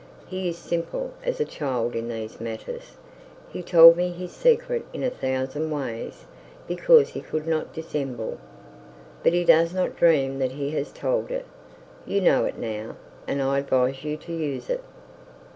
He is simple as a child in these matters. He told me his secret in a thousand ways because he could not dissemble; but he does not dream that has told it. You know it now, and I advise you to use it.'